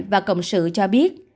và cộng sự cho biết